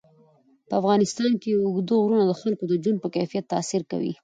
په افغانستان کې اوږده غرونه د خلکو د ژوند په کیفیت تاثیر کوي.